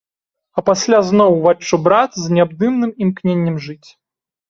А пасля зноў уваччу брат з неабдымным імкненнем жыць.